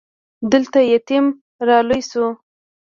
دلته يتيم را لوی شو.